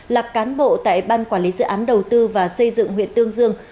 là cán bộ tại ban quản lý dự án đầu tư và xây dựng huyện tương dương